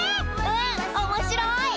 うんおもしろい。